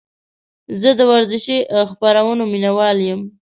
زه د ورزشي خپرونو مینهوال یم.